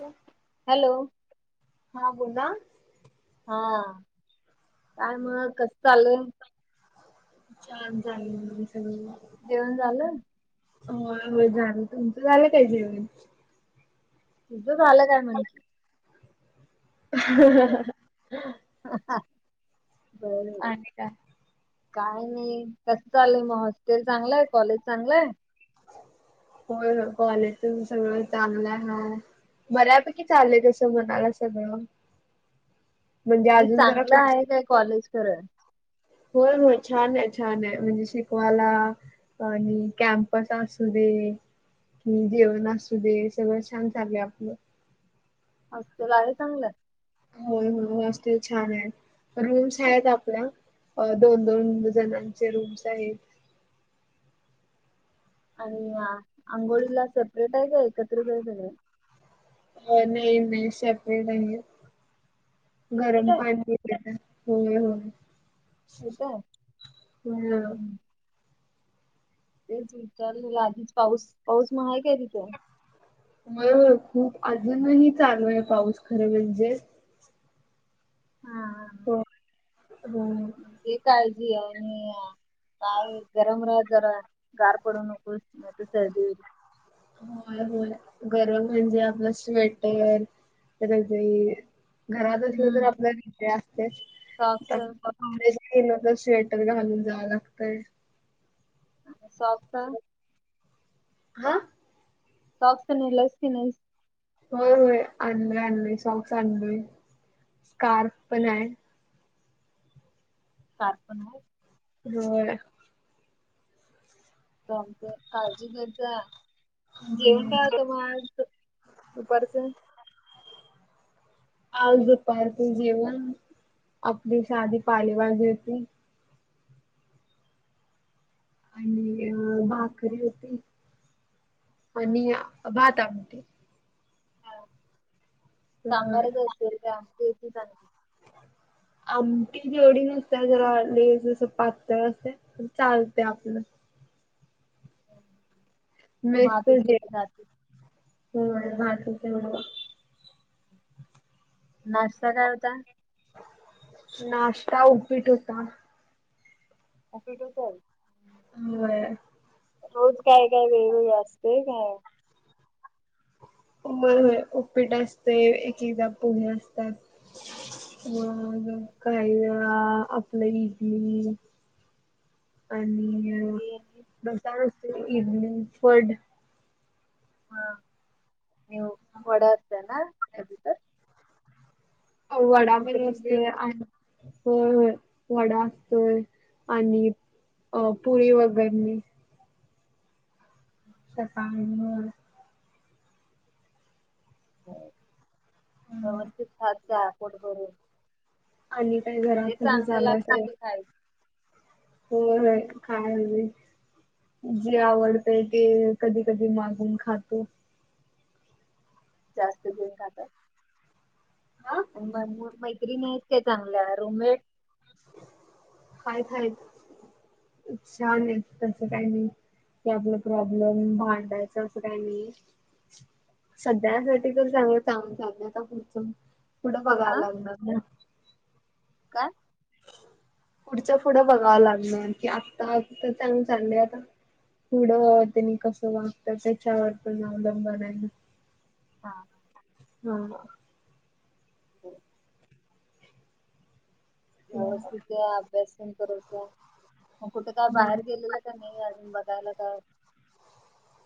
रिकाम हॅलो. हा. बोला. हा. काय मग कस चालंलय? छान चालू म सगळ. जेवण झालं? होय. हो झालं. तुमचं झालं काय जेवण? तुझ झालं काय म्हण की. ह ह बरोबर. आणि काय? काय नाही. कस चाललंय मग? हॉस्टेल चांगलंय? कॉलेज चांगलंय? होय. हो कॉलेज तेन सगळं चांगलंय हं. बऱ्यापैकी चाललय. तसं म्हणाव सगळं. म्हणजे नाही अजून जरा चांगलं क्लास- आहे काय कॉलेज कराय. हो. हो. छान आहे. छान आहे. म्हणजे शिकवाला- आणि कॅम्पस असू दे. की जेवण असू दे. सगळं छान चाललय आपलं. [unintelligible] चांगलय. होय. हो. हॉस्टेल छान आहे. रूम्स आहेत आपल्या. अ दोन दोन जणांचे रूम्स आहेत. आणि अंघोळीला सेपरेट आहे का एकत्रित आहे सगळे. अ नाही नाही सेपरेट आहे सेपरेट गरम आहे पाणी होय होय. कोणता हम हम. तेच विचारले आधीच पाऊस पाऊस महाय काय तिथं? बरोबर खूप अजूनही चालू आहे पाऊस खरे म्हणजेच. हा हा‌. हंम. ते काळजी आणि काय गरम राह जरा गार पडू नकोस नाही त सर्दी होईल होय होय गर म्हणजे आपलं स्वेटर, रजई घरात असलं तर आपल्या [unintelligible] असतेच. फॉक्स. [unintelligible] तर स्वेटर घालून जावं लागतय. आणि सॉफता. हा. सॉक्स ने लाईस की नाहीस. होय होय आणलोय आणलोय शॉक्स आणलोय स्कार्फ पण आहे. सारखं हो प. होय. काम ते काळजी घेतजा जेवण काय हं. [unintelligible] दुपारचं. आज दुपारचं जेवण आपली साधी पालेवाजी ते‌. अ भाकरी होती आणि भाता आमटी. अं, अ सांबारच असेल ते आमच्या इथेच आहे. आमटी जेवढी नसते जरा लेस अस पातळ असते तर चालते आपलं. अं, तू मॅच पर भातच डे किती खातेस वय वाटते मला. नाश्ता काय होता? नाश्ता उपीट होता. उपीट होतं. होय. रोज काय काय वेगवेगळ असते काय? होय होय उपीट असते, एक एकदा पुहे असतात. ह अं, काय आपलं इडली. आणि अ इडली आणि रस्ता व्यवस्तीत इव्हिनिंग पड [inaudible] हा [unintelligible] वडा तिथं पण असतोय लिहिलेलं अ आणि होय होय वडा असतोय आणि अ पोळी वगैरे. तसा आणि वर होय हं. व्यवस्तीत खात जा पोट भरून. आणि काय घरात कमी झालंय काय ठीक हाय. होय होय खयालोय. जे आवडतय ते कधी कधी मागून खाते. जास्त जन खातात. अ ह [unintelligible] आणि मग मैंत्रीण आहेत त्या चांगल्या रूममेट हायत हायत, छान आहेत तस काही नाही. कि आपलं प्रॉब्लेम भांडायच अस काय नई सध्या साठीतर चांगलं [unintelligible] म चाललं आता पुढचं पुढं बघावं अ लागेल. काय? पुढच्या पुढं बघावं लागणार कि आत्ता अ तर चांगल चालय आता [unintelligible] पुढं त्यांनी कसं वागताय त्याच्यावर पण अवलंबन आहे. हां. हा. बर. व्यवस्थित त अभ्यास पन करून घ्या. मग कुठे बाहेर गेलेला? नाही आजून बदलडा [unintelligible]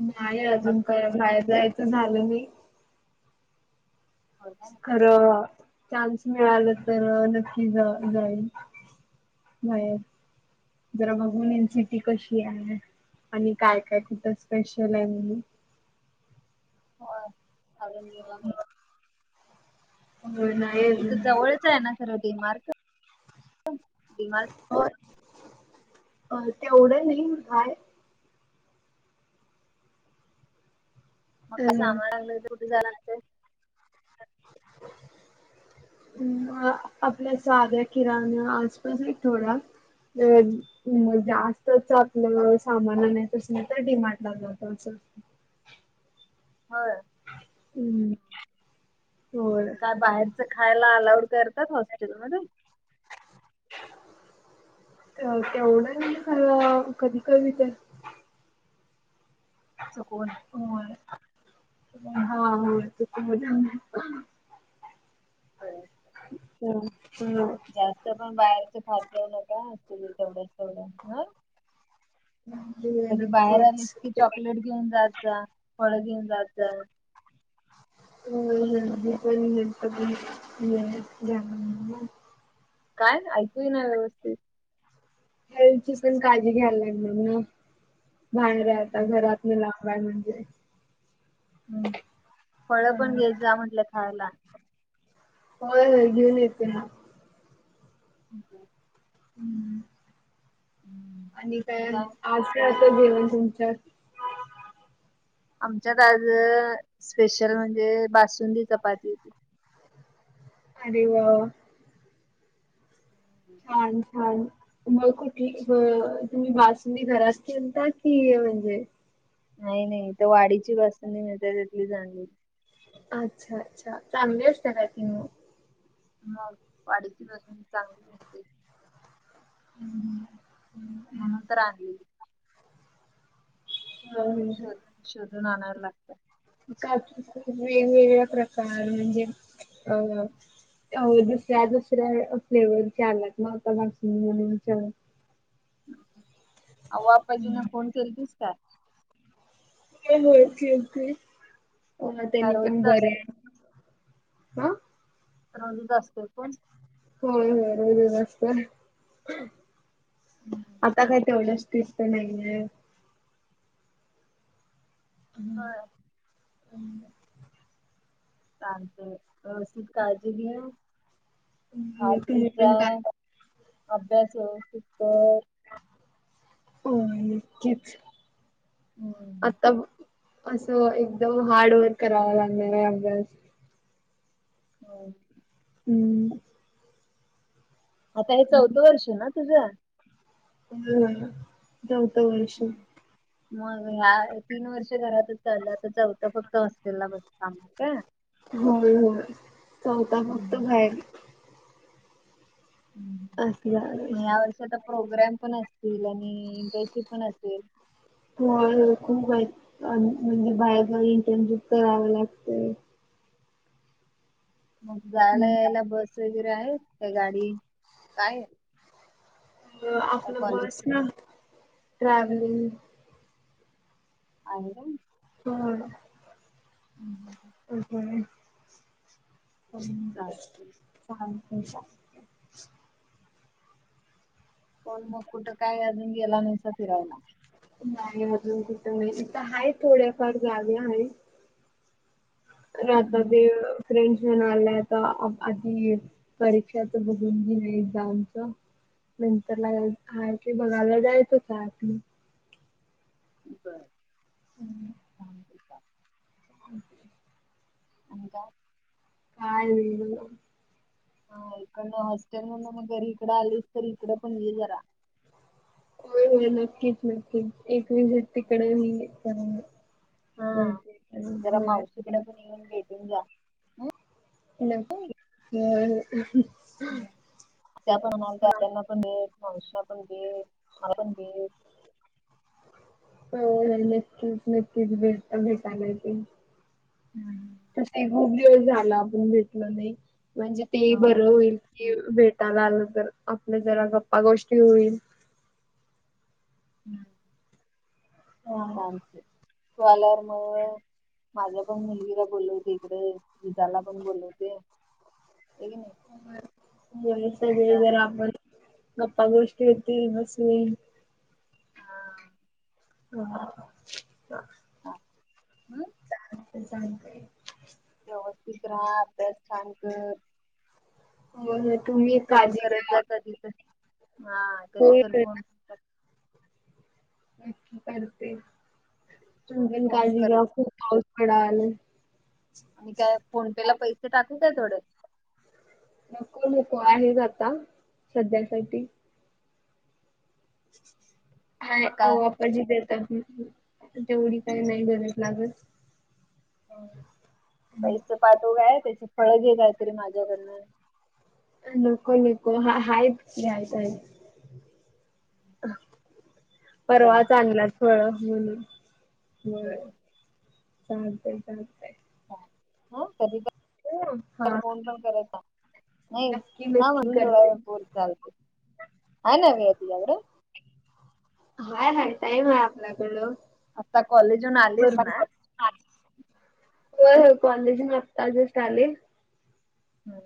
नाही अजून हॉस्टेल काय बाहेर जायचं झाल नाही. हो काय? खरं, चान्स मिळाल तर नक्की जाईन. व्हय, जरा बघून येईन सिटी कशी हाये. आणि काय काय तिथं स्पेशल हाय म्हणून होय, अरुण गेला नाही. होय ना [unintelligible] तिथं जवळच आहे ना खरं डी मार्ट, डी मार्ट होय, तेवढं नाही हाय मग का हॅलो सामान आणलं ते कुठे जाणार? [inaudible] आपल्या साध्या किराणा आसपास हायेत थोडया अ [unintelligible] मग जास्तच आपलं सामान आणायचं आसल तर मग डीमार्ट ला जातो असं. होय. हम्म, होय काय बाहेरच खायला अलाउड करतात हॉस्टेलमध्ये? तेवढं नाही खरं कधी कधी तर चुकवून हा होय इथं मजा आली [inaudible] हय [unintelligible] हा हम [unintelligible] जास्त पण बाहेरच खात जाऊ नका असुदे जेवढ्याच तेवढं हा. अम्म [unintelligible] कधी बाहेर आलीस की चॉकलेट घेऊन जात जा, फळ घेऊन जात जा. हो ह जा [unintelligible] काय ऐकू ना व्यवस्थित? हल्थची पण काळजी घ्यायला लागणार ना, बाहेर आहे आता हम्म घरात म लाग बाय म्हणजे? हम्म, फळ पण घेत जा म्हटलं खायला. होय होय घेऊन येते ना. [inaudible] हम्. आणि काय? आज काय होत जेवण तुमच्यात? आमच्यात आज स्पेशल म्हणजे बासुंदी, चपाती होती. अरे वा! छान! छान! मग कुठली तुम्ही बासुंदी घरात केलता की म्हणजे नाही नाही, ती वाडीची बासुंदी मिळते तिथंलीच आणली. अच्छा! अच्छा! चांगली असते काय ती मग? मग वाडीची बासूंदी चांगली असते. हम्म. म्हणून तर आणली. हं, हं. शोधून, शोधून, आणायला लागत. खूप वेगवेगळ्या प्रकार म्हणजे अ त्या दुसऱ्या दुसऱ्या, फ्लेवरची आलात ना बासुंदी म्हणूनच्या. अव्वाफजीना फोन केलतीस का? हो हो केलती, का त्यांनी पण रोजच बरं असतोय? हे. आ? चालूच असते पण. होय होय वरच असत. आता काय तेवढच टेस्ट नाहीये. हा. हम्. चालतय व्यवस्थित काळजी घे. खात-पित तुम्ही जा, पण काय अभ्यास व्यवस्थित कर. हो नक्कीच, हम्म आता असं एकदम हार्ड वर्क करावं लागणार आहे अभ्यास. हो. हम्म. आता हे चौथं वर्ष ना तुझं? हम्म चौथ वर्ष. हम्म. मग ह्या तीन वर्ष घरातच झालं आता चौथं फक्त हॉस्टेलला बस काम का? होय होय, चौथ फक्त बाहेर. असणार मग यावर्षी आता प्रोग्राम पण असतील आणि इंटर्नशिप् पण असेल. होय होय, खूप आहेत म्हणजे बाहेर जाऊन इंटर्नशिप कराव लागतंय. मग जायला हम्म. यायला बस वगैरे आहे का गाडी काय? काय आपलं कॉलेज बस आहे न ट्रॅव्हलिंग. आहे ना. होय. हम्म. [unintelligible] चाल ते. आणि काय सांग? कोल मग कुठं काय अजून गेला नाहीस फिरायला? नाही मधून तिथं नाही इथं आहे थोड्याफार जागा आहे. राहता ते फ्रेंडस म्हणा आलायता आधी. परीक्षा तर बघून घे नाही एक्झामच. नंतर ला ह क बघायला जायच होता ते आतली. [inaudible] हम्म. आणि [inaudible] [unintelligible] काय. हा इकडनं हॉस्टेल मधन मग घरी इकडं आलीस तर इकडं पण ते जरा. होय होय नक्कीच नक्की एकवेळ झट तिकडे नाही कर. हम्म हो. तिकडे पण येऊन भेटून जा. [unintelligible] ब हां [inaudible] होय होय नक्कीच नक्कीच भेटायला येतो [unintelligible] तर ते खूप दिवस झाला आपण भेटल नाही म्हणजे ते होय बरं होईल. कि भेटायला आलं तर आपल्या जरा गप्पा गोष्टी होईल. [inaudible] हां चालतय तु आल्यावर म माझ्या पण मुलगीला बोलवते इकडे जिजाला पण बोलवते होय की नाही. सगळे जिजा जर आपण गप्पा गोष्टी येतील बसून. हा. [inaudible] हां. [inaudible] व्यवस्थित राहा अभ्यास छान कर. [inaudible] फोन काळजी करत घ्या. जा कधी तर हा कधी होय तर फोन. नक्की करते तुम्ही पण फोन काळजी करत घ्या खूप पाऊस पडालागलय आणि काय फोन पे ला पैसे टाकू काय थोडे. नको नको आहेत आता सध्यासाठी. [unintelligible] आ मग काय तेवढी काही नाही गरज लागत. पैस पाठवू काय त्याची फळ घे काहीतरी माझ्याकडनं. नको नको हाय हायत. [inaudible] परवाच चालते आणल्याचं फळ महह होय. चालतय चालतय हा कधीतर हा फोन नक्की नक्की लावून करते. बोलत जा. [unintelligible] हाय हाय टाइम आहे आपलाकडलो. आता कॉलेज वरून आलीस ना. होय होय कॉलेजन आत्ता जस्ट आलोय नाय.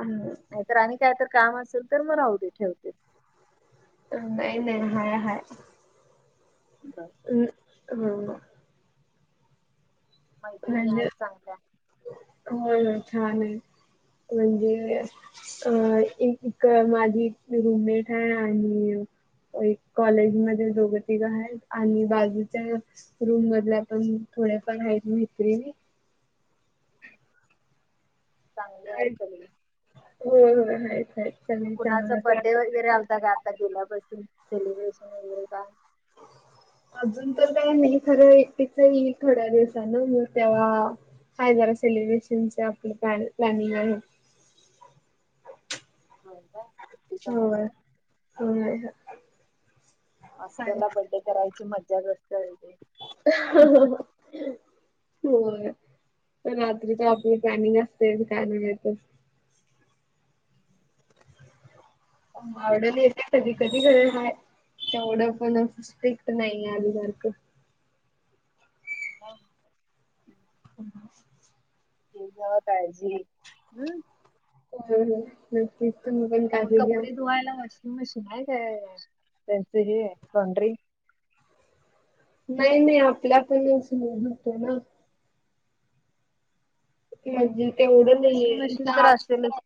अण्ण. नाहीतर आणि काय तर काम असेल तर मग राहू दे ठेवते. नाहीई नाहीई हाय हाय. तर. ् हो [inaudible] मैत्रिणी म्हणजे आज सांगितल्या. होय होय छान आहे म्हणजे असं. अ इ माझी रूममेट आहे आणि. एक कॉलेज मध्ये दोघ तिघ आहेत आणि बाजूच्या. रूम मधल्या पण थोड फार आहेत मैत्रीणी. चांगल्या आहे सगळी. होय होय हाय हाय. कुणाचा बर्थडे वगैरे आता का आता गेल्यापासून सेलिब्रेशन वगैरे काय. अजून तर काय नाही खरं एकटीच मी थोड्या दिवसान मग तेव्हा. हाय जरासेलिब्रेशनचचे आपलं प्लॅन प्लॅनिंग आहे. होय काय. हो हो [unintelligible] हॉस्टेल ला बर्थडे करायची मज्जा आत्या वेगळी. ह ह ह, होय रात्री तर आपली प्लॅनिंग असते काय नाहीेत. आवडला येते कधी. कधी कध तेवढं पण स्ट्रिक्ट नाही आधी सारखं. हाव. हम् [inaudible] तिजा काळजी हम्म. हो नक्की [unintelligible] तई मग कपडे धुवायला वॉशिंग मशीन आहे काय त्यांच हे लॉंड्री. नाही नाही आपल्या आपणच धून धुतोय ना. क म्हणजे तेवढं वॉशिंग नाहीये मशीन तर आ. असेलच.